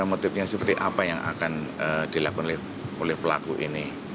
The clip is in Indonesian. motifnya seperti apa yang akan dilakukan oleh pelaku ini